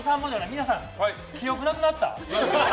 皆さん記憶なくなった？